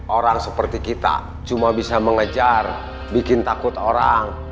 orang seperti kita cuma bisa mengejar bikin takut orang